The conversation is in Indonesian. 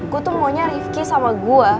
gue tuh maunya ariefki sama gue